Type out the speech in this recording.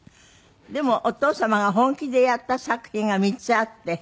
でもお父様が本気でやった作品が３つあって。